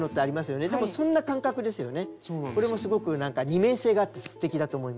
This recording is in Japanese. これもすごく二面性があってすてきだと思います。